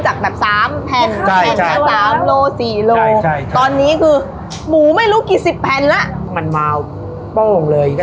ใช่ขายข้าวหมูกรอบหมูแดงไปด้วย